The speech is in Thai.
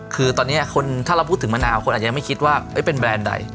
คือตอนนี้ถ้าเราพูดถึงมะนาวคนอาจจะไม่คิดว่าเป็นแบรนด์ใด